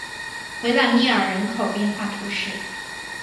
维朗涅尔人口变化图示